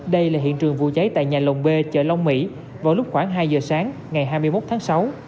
đây là hiện trường vụ cháy tại nhà lồng b chợ long mỹ vào lúc khoảng hai giờ sáng ngày hai mươi một tháng sáu